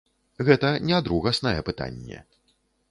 Гэта не другаснае пытанне.